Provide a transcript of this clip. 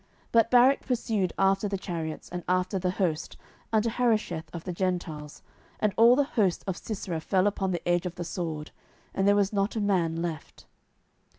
07:004:016 But Barak pursued after the chariots, and after the host, unto Harosheth of the Gentiles: and all the host of Sisera fell upon the edge of the sword; and there was not a man left.